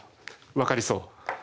わかりそう？